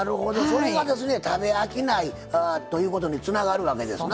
それがですね食べ飽きないということにつながるわけですな。